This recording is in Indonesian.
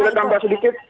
saya boleh tambah sedikit